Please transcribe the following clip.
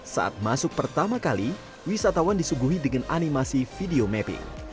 saat masuk pertama kali wisatawan disuguhi dengan animasi video mapping